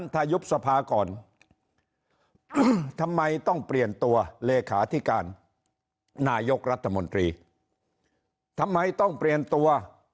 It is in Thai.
ตัวเลขาธิการนายกรัฐมนตรีทำไมต้องเปลี่ยนตัว